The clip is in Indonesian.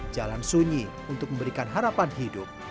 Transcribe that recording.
jalan sunyi untuk memberikan harapan hidup